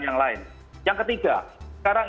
yang lain yang ketiga sekarang